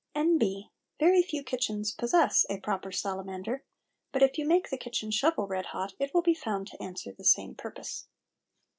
N.B. Very few kitchens possess a proper salamander, but if you make the kitchen shovel red hot it will be found to answer the same purpose.